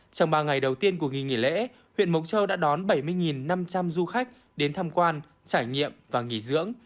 trong ba ngày đầu tiên của nghỉ nghỉ lễ huyện mộc châu đã đón bảy mươi năm trăm linh du khách đến tham quan trải nghiệm và nghỉ dưỡng